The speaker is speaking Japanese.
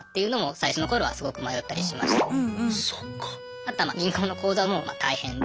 あとは銀行の口座も大変で。